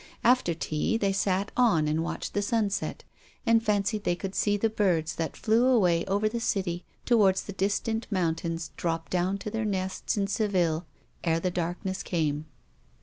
After tea they sat on and watched the sunset, and fancied they could see the birds that flew away above the City towards the distant mount ains drop down to their nests in Seville ere the darkness came.